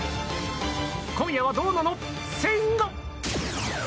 今夜はどうなの千賀！